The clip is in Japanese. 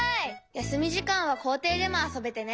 やすみじかんはこうていでもあそべてね。